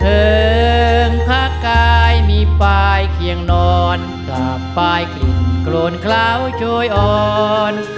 เทิงพระกายมีปายเคียงนอนกลับไปกลิ่นโครนคล้าวโชยอ่อน